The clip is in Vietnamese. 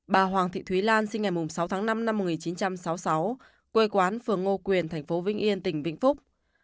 bà hoàng thị thúy lan sinh ngày sáu tháng năm năm một nghìn chín trăm sáu mươi sáu quê quán phường ngô quyền tp vĩnh yên tỉnh vĩnh phúc